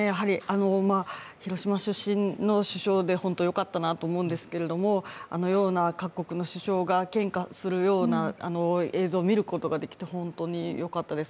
広島出身の首相で本当に良かったなと思うんですけどあのような各国の首脳が献花するような映像を見ることができて本当によかったです。